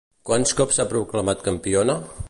Quants cops s'ha proclamat campiona?